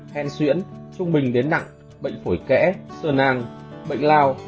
hen xuyễn trung bình đến nặng bệnh phổi kẽ sơ nang bệnh lao